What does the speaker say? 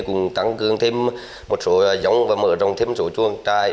cũng tăng cường thêm một số giống và mở rộng thêm một số chuồng trại